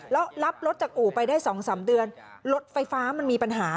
แล้วรับรถจากอู่ไปได้๒๓เดือนรถไฟฟ้ามันมีปัญหา